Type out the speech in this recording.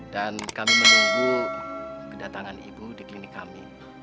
dan kami menunggu kedatangan ibu di klinik kami